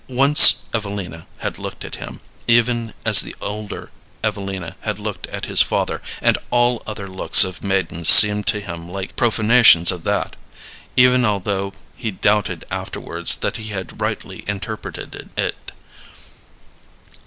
Once Evelina had looked at him, even as the older Evelina had looked at his father, and all other looks of maidens seemed to him like profanations of that, even although he doubted afterwards that he had rightly interpreted it.